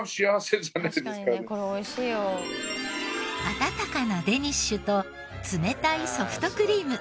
温かなデニッシュと冷たいソフトクリーム。